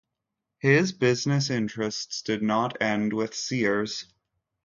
His business interests did not end with Sears.